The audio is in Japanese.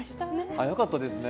早かったですね。